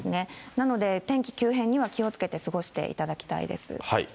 なので、天気急変には気をつけて過ごしていただきたいです。